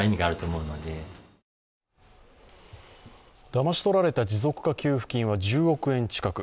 だまし取られた持続化給付金は１０億円近く。